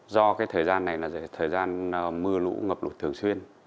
do cái thời gian này là thời gian mưa lũ ngập lụt thường xuyên